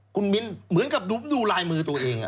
คุณมิ้นเหมือนกับดูลายมือตัวเอง